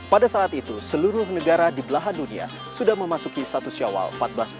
pada saat itu seluruh negara di belahan dunia sudah memasuki satu syawal seribu empat ratus empat puluh